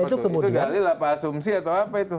itu kegali lah pak asumsi atau apa itu